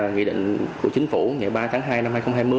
nghị định của chính phủ ngày ba tháng hai năm hai nghìn hai mươi